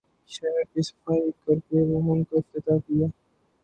شہر کی صفائی کر کے مہم کا افتتاح کیا